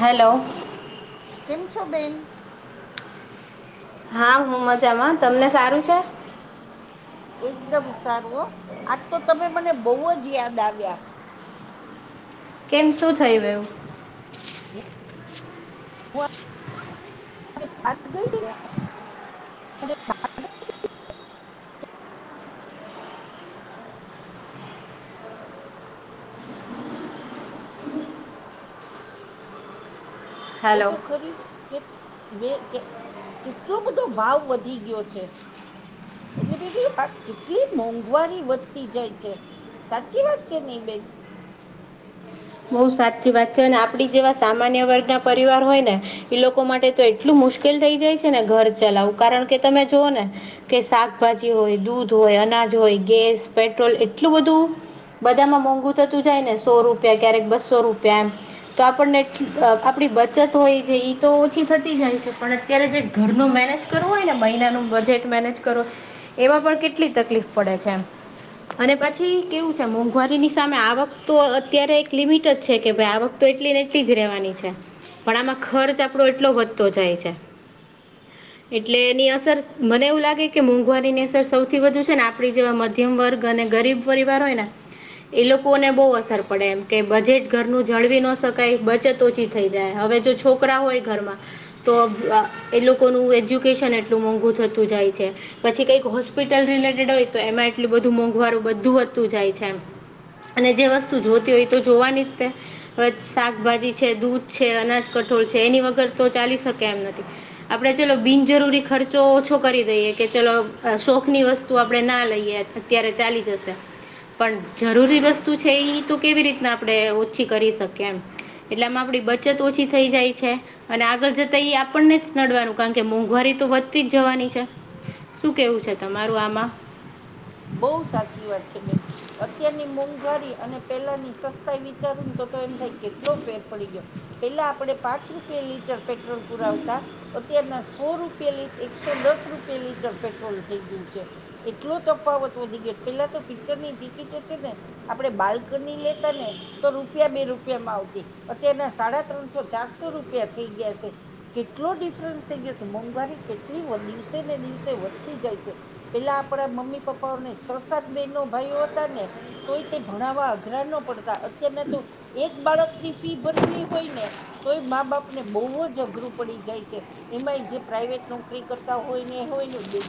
Hello. કેમ છો બેન? હા હું મજામાં. તમને સારું છે? એકદમ સારવો આજ તો તમે મને બહુ જ યાદ આવ્યા કેમ શું થઈ ગયું હું ભારત ગઈને જો હેલો તો ખરી કે કેટલો બધો ભાવ વધી ગયો છે એટલે ભી કું આ કેટલી મોંઘવારી વધતી જાય છે સાચી વાત કે નહીં બેન બહુ સાચી વાત છે અને આપડી જેવા સામાન્ય વર્ગ ના પરિવાર હોય ને એઈ લોકો માટે તો એટલું મુશ્કેલ થઈ જાય છે ને ઘર ચલાવવું કારણ કે તમે જુઓ ને કે શાકભાજી હોય દૂધ હોય અનાજ હોય ગેસ પેટ્રોલ એટલું બધું બધામાં મોંઘું થતું જાય ને સો રૂપ ક્યારેક બસો રૂપિયા એમ તો આપણને આપડી બચત હોય છે તો ઓછી થતી જાય છે પણ અત્યારે જે ઘરનું મેનેજ કરવું હોય ને મહિનાનું બજેટ મેનેજ કરવુંય એમાં પણ કેટલી તકલીફ પડે છે અને પછી કેવું છે મોંઘવારીની સામે આવક તો અત્યારે એક લિમિટ જ છે કે ભાઈ આવક તો એટલી ને એટલી જ રહેવાની છે પણ આમાં ખર્ચ આપણો એટલો વધતો જાય છે એટલે એની અસર મને એવું લાગે કે મોંઘવારીની અસર સૌથી વધુ છે ને આપણી જેવા મધ્યમ વર્ગ અને ગરીબ પરિવાર હોય ને એ લોકોને બહુ અસર પડે પણ એમ કે બજેટ ઘરનું જળવી ન શકાય બચત ઓછી થઈ જાય હવે જો છોકરા હોય ઘરમાં તો એ લોકોનું એજ્યુકેશન એટલું મોંઘું થતું જાય છે પછી કઈક હોસ્પિટલ રિલેટેડ હોય તો એમાં એટલું બધું મોંઘવારું બધું હોતું જાય છે એમ અને જે વસ્તુ જોતી હોય તો જોવાની જ તે શાકભાજી છે દૂધ છે અનાજ કઠોળ છે એની વગર તો ચાલી શકે એમ નથી આપડણે ચલો બિનજરૂરી ખર્ચો ઓ ઓછો કરી દઈએ કે ચલો શોખની વસ્તુ આપણે ના લઈએ અત્યારે ચાલી જશે પણ જરૂરી વસ્તુ છે એ તો કેવી રીતના આપણે ઓછી કરી શકીએ એમ એટલે આમાં આપડી બચત ઓછી થઈ જાય છે, અને આગળ જતા એ આપણને જ નડવાનું કારણ કે મોંઘવારી તો વધતી જ જવાની છે શું કેવું છે તમારું આમાં બહુ સાચી વાત છે બેન અત્યારની મોંઘવારી અને પેલાની સસ્ વિચારું ને તો એમ થાય કેટલો ફેર પડી ગયો પેલા આપે પાંચ રૂપે લીટર પ ો પુરા આવતા અત્યારના સો રૂપ એકસો દસ રૂપિયા લીટર પેટ્રોલ થઈ ગયું છે એટલો તફાવત પેલા તો પિક્ચરની ટિકિટો છે ને આપડણે બાલ્કની લેતા ને તો રૂપિયા બે રૂપિયામાં આવતી અત્યના સાડા ત્રણસો ચારસો રૂપિયા થઈ ગયા છે કેટલો ડિફરન્સ થઈ ગયો છે મોંઘવારી કેટલી દિવસે ને દિવસે વધતી જાય છે પેલા આપડા મમ્મી પપ્પાને છ સાત બેનો ભાઈઓ હતા ને તોય તે ભણાવવા અઘરા ન પડતા અત્યારના તો એક બાળકની ફી ભરવી હોય ને તો એ મા બાપ ને બહુ જ અઘરું પડી જાય છે એમાં જે પ્રાાઈવેટ નોકરી કરતા હોય ને એ હોય ને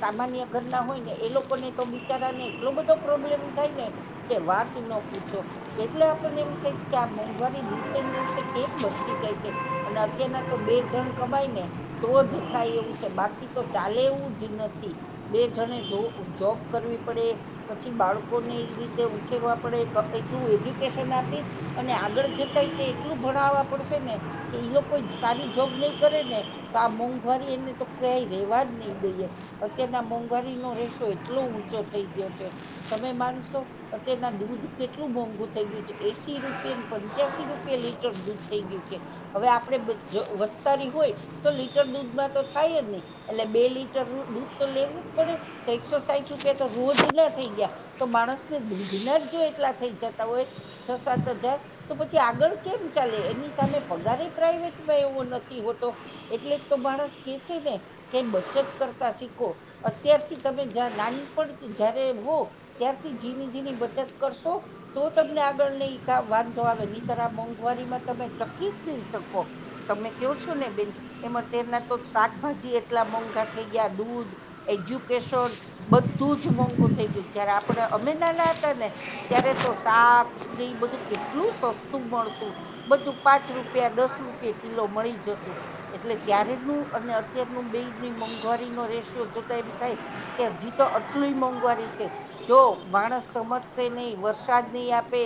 સામાન્ય ઘર ના હોય ને એ લોક ને તો બિચારાને એટલો બધો પ્રોબ્લેમ થાય ને કે વાત ન પૂછો. એટલે આપણને એમ થાય કે આ મોંઘવારી દિવસે ને દિવસે કેમ વધતી જાય છે. અને અત્યારના તો બે જણ કમાય ને તો જ થાય એવું છે બાકી તો ચાલે એવું જ નથી બે જણે જો જોબ કરવી પડે પછી બાળકોને એ રીતે ઉછેરવા પડે એટલું એજ્યુકેશન આપી અને આગળ જતાય તે એટલું ભણાવવા પડશે ને કે ઈ લોકો ઈ સારી જોબ નહી કરે ને તો આ મોંઘવારી એને તો કય રેવા જ નહી દઈએ અત્યારના મોંઘવારીનો રેસ એટલો ઊંચો થઈ ગયો છે તમે માનશો અતના દૂધ કેટલું મોંઘુ થઇ ગયું છે, એસી રૂપિયાને પંચ્યાસી રૂપિયા લીટર દૂધ થઇ ગયું છે. હવે આપણે બ જ વસ્તારી હોય તો લીટર દૂધમાં તો થાય જ નહી એટલે બે લીટર દૂધ તો લેવું જ પડે. તો એકસો સાઈઠ રૂપિયા તો રોજ ના થઈ ગયા. તો માણસને દૂધના જ જો એટલા થઈ જતા હોય છ સાત હજાર. તો પછી આગળ કેમ ચાલે એની સામે પગારે પ્રાઈવેટમાં એવો નથી હોતો. એટલે તો માણસ કે છે, ને કે બચત કરતા શીખો અત્યારથી તમે જ નાનપણ થી જયારે હો ત્યારથી ઝીણી ઝીણી બચત કરશો તો તમને આગળ નહી કા વાંધો આવે નીતર આ મોંઘવારીમાં તમે ટકી જ નઈ શકો. તમે કહો છો ને બેન એમાં તેના તો શાકભાજી એટલા મોંઘા થઈ ગયા દૂધ, એજ્યુ કેસન બધું જ મોંઘું થઈ ગયું. જયારે આપડે અમે ના ના હતા ને ત્યારે તો શાક ને ઇ બધું કેટલું સસ્તું મળતું. બધું પાંચ રૂપિયા, દસ રૂપિયા કિલો મળી જતું. એટલે ત્યારે નુ અને અત્યારનું બેની મોંઘવારીનો રેશિયો જોતા એ મ થાય કે હજીતો આટલું મોંઘવારી છે. જો માણસ સમજશે નહી વરસાદ નહી આપે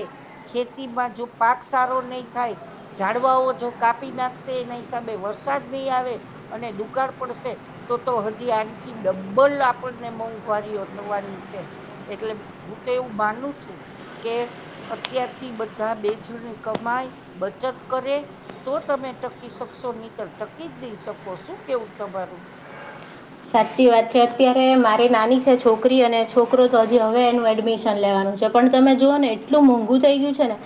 ખેતીમાં જો પાક સારો નહી થાય ઝાડવાઓ જો કાપી નાખશે એના હિસાબે વરસાદ નહીં આવે અને દુકાળ પડશે તો તો હજી આણથી ડ બલ આપણને મોંઘવારીઓ થવાની છે, એટલે હું તો એવું માનું છું કે અત્યારથી બધા બે જણ કમાય, બચત કરે તો તમે ટકી શકશો નીતર ટકી જ નઈ શકો, શું કેવું તમારું? સાચી વાત છે અત્યારે મારી નાની છે છોકરી અને છોકરો તો હજી હવે એનું એડમિશન લેવાનું છે. પણ તમે જુઓ ને એટલું મોંઘું થઈ ગયું છે ને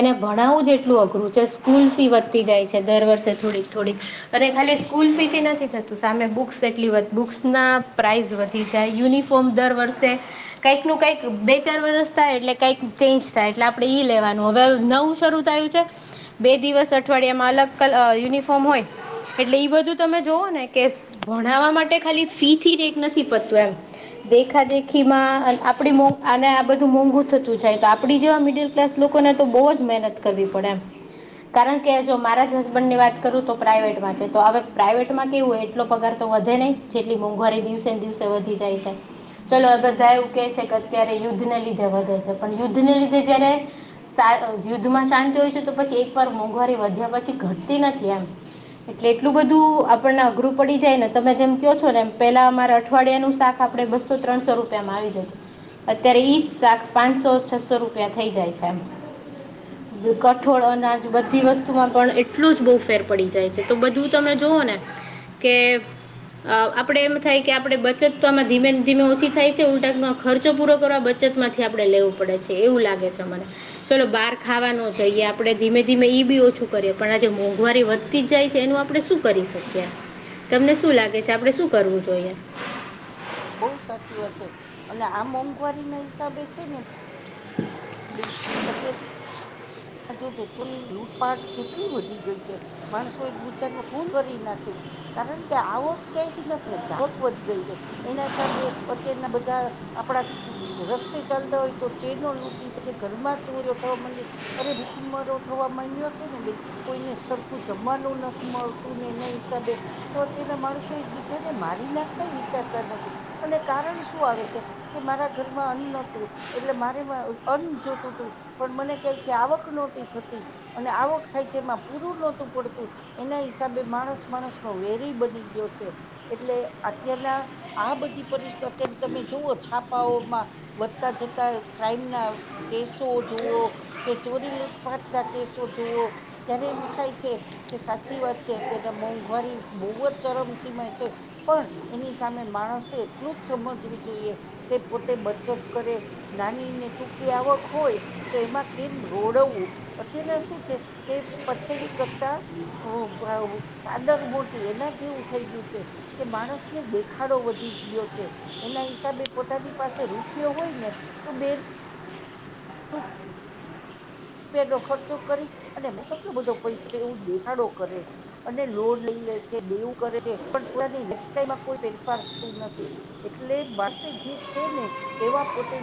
એને ભણાવવું જ એટલું અઘરું છે સ્કૂલ ફી વધતી જાય છે દર વર્ષે થોડીક થોડીક અને ખાલી સ્કૂલ ફીથી નથી થતું સામે બુક્સ એટલી બુક્સના પ્રાઇઝ વધી જાય, યુનિફોર્મ દર વર્ષે કંઈક નું કઈક બે, ચાર વરસ થાય એટલે કઈક ચેન્જ થાય એટલે, આપડે ઈ લેવાનું, હવે નવું શરૂ તાયુ છે બે દિવસ અઠવાડિયામાં અલગ યુનિફોર્મ હોય એટલે ઇ બધું તમે જોઓ ને કે ભણાવવા માટે ખા ફી થી નથી પડતું એમ દેખા દેખી માં આપ મો અને આ બધું મોંઘું થતું જાય તો આપડી જેવા મિડલ ક્લાસ લોકોને તો બહુ જ મહેનત કરવી પડે એમ. કારણ કે જો મારા જ હસબન્ડ ની વાત કરું તો પ્રાાઈવેટમાં છે, તો હવે પ્રાઇવેટમાં કેવું એ આટલો પગાર તો વધે નહીં જેટલી મોંઘવારી દિવસેને દિવસે વધી જાય છે, ચલો આ બધા એવું કે છે કે અત્યારે યુદ્ધને લીધ તે વધે છે પણ યુદ્ધને લીધે જયારે સા યુદ્ધમાં શાંતિ હોય છે તો પછી એક વાર મોંઘવારી વધ્યા પછી ઘટતી નથી એમ. એટલે એટલું બધું આપણને અઘરું પડી જાય ને તમે જેમ કહો છો ને એમ પહે અમારે અઠવાડિયા નુ સાથ આપડે બસો ત્રણસો રૂપિયામાં આવી જતું. અત્યારે ઈજ શાક પાંચસો, છસો રૂપિયા થઇ જાય છે, કઠોળ, અનાજ બધી વસ્તુમાં પણ એટલું જ બહુ ફેર પડી જાય છે તો, બધું તમે જુઓ ને કે, આપડે એમ થાય કે, આપડે બ બચત તો આમાં ધીમે ને ધીમે ઓછી થાય છે, ઉલટાનો ખર્ચો પૂરો કરવા બચતમાંથી આપણે લેવું પડે છે, એવું લાગે છે. તમારે, ચલો બાર ખાવા નો જઈએ આપણે ધીમે ધીમે ઈ બી ઓછું કરીએ પણ, આજે મોંઘવારી વધ તી જ જાય છે, એનું આપણે શું કરી શકીએ, તમને શું લાગે છે આપણે શું કરવું જોઈએ? બહુ સાચી વાત છે અને, આ મોંઘવારી ના હિસાબે છે ને બિન અત્યે જો-જો ચો લૂટપાટ કેટલી વધી ગઈ છે, માણસો એક બીજાનુ ખૂન કરીરી નાખે છે. કારણ કે, આવક ક્યાથી નથી ને જાવક વધી ગઈ છે, એના હિસાબે અત્યારના બધા આપડા રસ્તે ચાલતા હોય તો ચેનો લૂટી જાય છે, ઘરમાં ચોરીઓ થવા મંડી અરે ભૂખમરો થવા મંડ્યો છે ને, બેન કોઈને સરખું જમવાનું નથ મળતું ને, ઈના હિસાબે તો, અત્યારના માણસો એકબીજાને મારી નાખતાય વિચારતા નથી અને, કારણ શું આવે છે. કે, મારા ઘરમાં અન્ન નોતું એટલે મારે વા અન્ન જોતું તું પણ મને કય આવક નોતી થતી, અને આવક થાય છે એમાં પૂરું નહોતું પડતું. એના હિસાબે માણસ, માણસ નો વેરી બની ગીયો છે. એટલે અત્યારના આ બધી પરિસ્થતિ અત્યાર તમે જોઓ છાપાઓમાં વધતા જતા ક્રાઈમ ના કેસુઓ જુઓ. કે ચોરી, લૂટપાટ ના કેસુઓ જુઓ. ત્યારે એમ થાય છે કે, સાચી વાત છે, અત્યાર મોંઘવારી બઉ જ ચરમસીમાય છે. પણ, એની સામે માણસે એટલું જ સમજવું જોઈએ. તે પોતે બચત કરે નાનીને ટૂંકી આવક હોય તો, એમાં કેમ રોડઉ અત્યારના શું છે કે, પછેડી કરતા વુ ભવુ ચાદર મોટી એના જેવું થઈ ગીયું છે. કે માણસ ને દેખાડો વધી ગીયો છે. એના હિસાબે પોતાની પાસે રૂપિયો હોય ને તો બે રૂપેનો ખર્ચો કરી અને મે સલો બધો પૈસા એવું દેખાડો કરે છે. અને લોન લઈ લે છે, દેવું કરે છે, પણ પોતાની લાઇફસ્ટાઇલમાં કોઈ ફેરફાર કરતું નથી. એટલે બારસે જે છે ને, એવા પોતે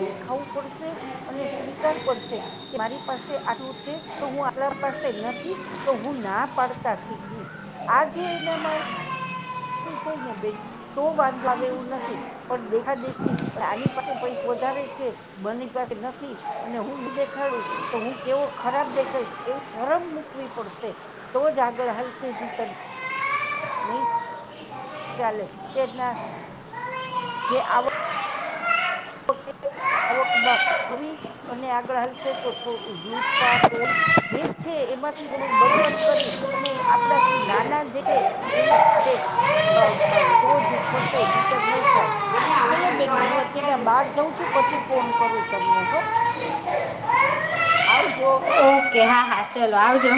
દેખાવું પડશે અને સ્વીકાર પડશે. કે, મારી પાસે આટલું છે તો, હું આટલા પાસે નથી. તો, હું ના પાડતા સીખીશ આ જો એનામા જઈને બેન તો વાંધો આવે એવું નથી. પણ, દેખા દેખી આની પાસે પૈસા વધારે છે, બની પાસે નથી. અને, હું ની દેખાડું તો, હું કેવો ખરાબ દેખાઈશ એવી શરમ મૂકવી પડસે. તો જ આગળ હાલસે ની તર નઈ ચાલે, અત્યાર ના જે આવ વકમાં વી અને આગળ હાલસે તો થોડું લૂટફાટ, ચોરી.. જે છે, એમાંથી થોડુંક બચત કરી અને આપણાથી નાના જે છે. એને આપડણે અ ક તો જ થશે નીતર નઈ થાય. ચલો બેન, હું અત્યારે બહાર જઉં છું. પછી ફોન કરું તમને હો, આવજો. ઓકે, હા, હા, ચલો આવજો.